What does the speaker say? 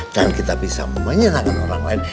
dan kita bisa menyenangkan orang lain